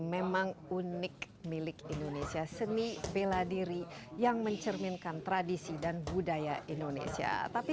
memang unik milik indonesia seni bela diri yang mencerminkan tradisi dan budaya indonesia tapi